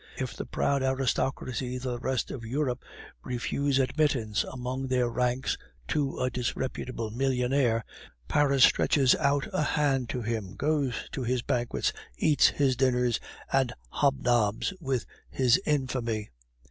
If the proud aristocracies of the rest of Europe refuse admittance among their ranks to a disreputable millionaire, Paris stretches out a hand to him, goes to his banquets, eats his dinners, and hobnobs with his infamy."